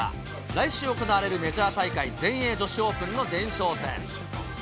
来週行われるメジャー大会、全英女子オープンの前哨戦。